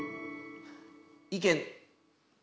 意見。